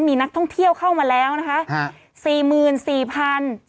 มีนักท่องเที่ยวเข้ามาแล้วนะคะ